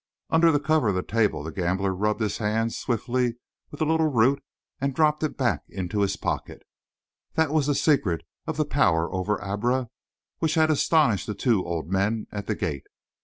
Under cover of the table the gambler rubbed his hands swiftly with the little root and dropped it back into his pocket. That was the secret of the power over Abra which had astonished the two old men at the gate.